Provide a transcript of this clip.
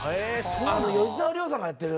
あの吉沢亮さんがやってる。